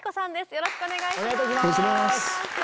よろしくお願いします。